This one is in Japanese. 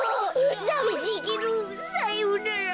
さびしいけどさようなら。